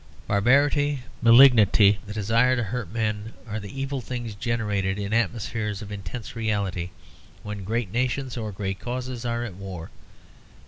Barbarity, malignity, the desire to hurt men, are the evil things generated in atmospheres of intense reality when great nations or great causes are at war.